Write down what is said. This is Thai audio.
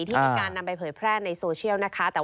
ที่มีการนำไปเผยแพร่ในโซเชียลนะคะ